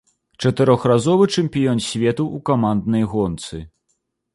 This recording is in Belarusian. Чатырохразовы чэмпіён свету ў каманднай гонцы.